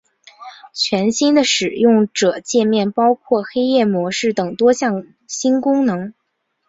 全新的使用者界面包括黑夜模式等多项新功能。